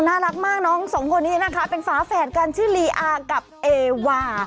น่ารักมากน้องสองคนนี้นะคะเป็นฝาแฝดกันชื่อลีอากับเอวา